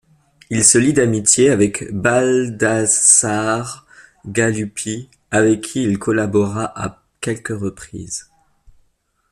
Il se lie d'amitié avec Baldassare Galuppi avec qui il collabora à quelques reprises.